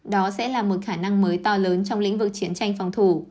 đó sẽ là một khả năng mới to lớn trong lĩnh vực chiến tranh phòng thủ